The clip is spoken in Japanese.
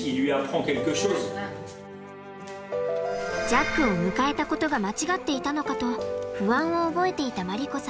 ジャックを迎えたことが間違っていたのかと不安を覚えていた真理子さん。